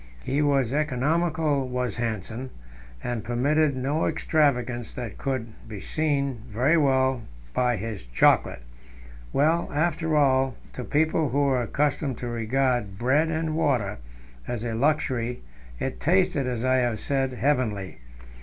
He was economical, was Hanssen, and permitted no extravagance; that could be seen very well by his chocolate. Well, after all, to people who were accustomed to regard "bread and water" as a luxury, it tasted, as I have said, heavenly.